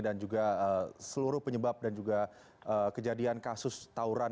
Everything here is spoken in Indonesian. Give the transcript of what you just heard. dan juga seluruh penyebab dan juga kejadian kasus tauran